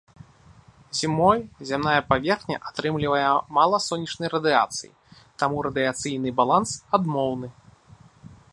Зімой зямная паверхня атрымлівае мала сонечнай радыяцыі, таму радыяцыйны баланс адмоўны.